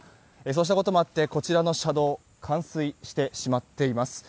そうしたこともあってこちらの車道は冠水してしまっています。